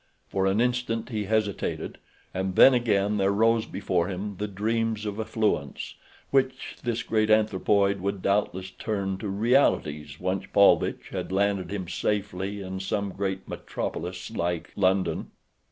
For an instant he hesitated, and then again there rose before him the dreams of affluence which this great anthropoid would doubtless turn to realities once Paulvitch had landed him safely in some great metropolis like London.